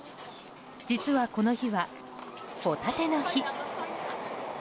実は、この日はホタテの日。